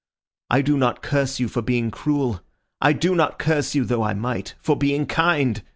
I do not curse you for being cruel. I do not curse you (though I might) for being kind.